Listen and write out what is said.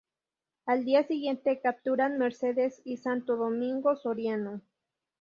Al día siguiente capturan Mercedes y Santo Domingo Soriano.